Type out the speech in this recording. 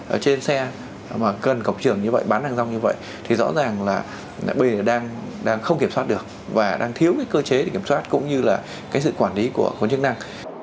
ở trên xe mà cân cổng trường như vậy bán hàng rong như vậy thì rõ ràng là b đang không kiểm soát được và đang thiếu cái cơ chế để kiểm soát cũng như là cái sự quản lý của chức năng